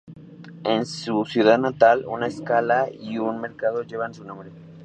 En su ciudad natal, una escuela y un mercado llevan su nombre.